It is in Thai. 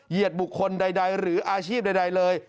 เหยียดบุคคลใดหรืออาชีพใดเลย